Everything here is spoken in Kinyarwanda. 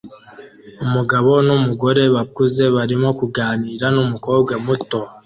Umugabo n'umugore bakuze barimo kuganira numukobwa muto